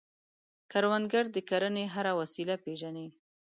کروندګر د کرنې هره وسیله پېژني